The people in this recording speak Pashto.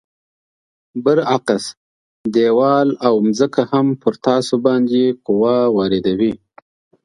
برعکس دیوال او ځمکه هم پر تاسو باندې قوه واردوي.